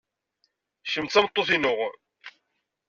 Kemmi d tameṭṭut-inu.